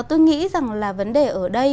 tôi nghĩ rằng là vấn đề ở đây